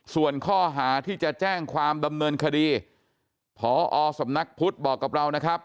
ส่วนข้อหาที่จะแจ้งความดำเนินคดีพอสำนักพุทธบอกกับเรานะครับ